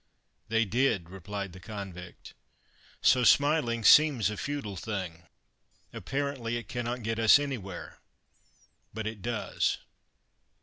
"They did," replied the convict. So smiling seems a futile thing. Apparently it cannot get us anywhere but it does.